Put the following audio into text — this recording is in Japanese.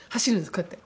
こうやって。